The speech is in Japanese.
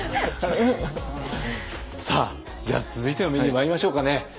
さあじゃあ続いてのメニューにまいりましょうかね。